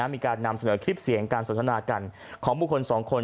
มีการนำเสนอคลิปเสียงการสนุกนาการของผู้คนสองคน